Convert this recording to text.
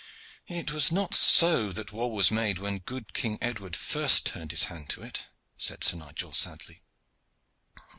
"It was not so that war was made when good King Edward first turned his hand to it," said Sir Nigel sadly.